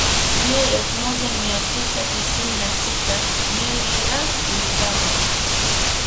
Mei elfu moja mia tisa tisini na sita meli ya ilizama